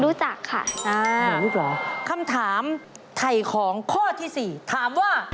รู้จักค่ะ